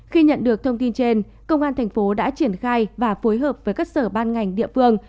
khi nhận được thông tin trên công an thành phố đã triển khai và phối hợp với các sở ban ngành địa phương